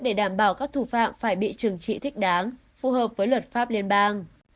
để đảm bảo các thủ phạm phải bị trừng trị thích đáng phù hợp với luật pháp liên bang